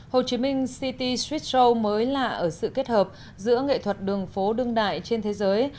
hồ chí minh city street show mới là ở sự kết hợp giữa nghệ thuật đường phố đương đại trên thế giới